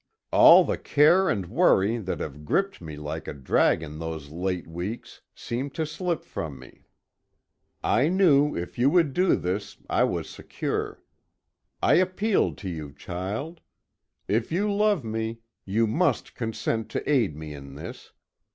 All the care and worry, that have gripped me like a dragon those late weeks, seemed to slip from me. I knew if you would do this, I was secure. I appeal to you, child. If you love me, you must consent to aid me in this.